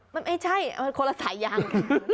ไม่ใช่คนละสายาง